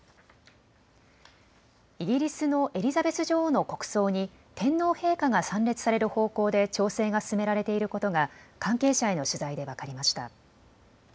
イギリスのエリザベス女王の国葬に天皇陛下が参列される方向で調整が進められていることが関係者への取材で分かりました。